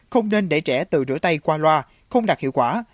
không nên để trẻ từ rửa tay qua loa không đạt hiệu quả